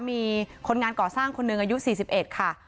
มีคนงานก่อสร้างคนหนึ่งอายุ๔๑ค่ะ